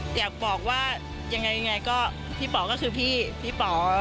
อยากบอกว่ายังไงก็พี่ป๋อก็คือพี่ป๋อ